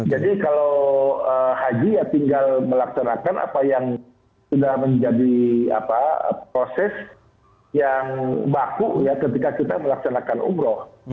jadi kalau haji ya tinggal melaksanakan apa yang sudah menjadi proses yang baku ketika kita melaksanakan umroh